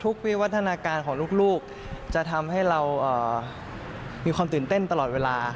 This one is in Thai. วิวัฒนาการของลูกจะทำให้เรามีความตื่นเต้นตลอดเวลา